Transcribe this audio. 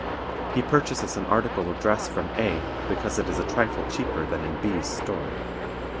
He purchases an article of dress from A, because it is a trifle cheaper than in B's store.